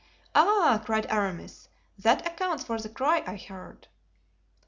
"Ah!" cried Aramis, "that accounts for the cry I heard."